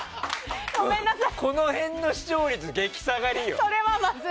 この辺の視聴率、激下がりよ。